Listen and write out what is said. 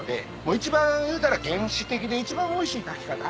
一番言うたら原始的で一番おいしい炊き方。